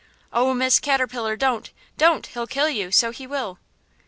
"Oh, Miss Catterpillar, don't! don't! he'll kill you, so he will!"